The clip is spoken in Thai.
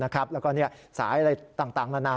แล้วก็สายอะไรต่างนานา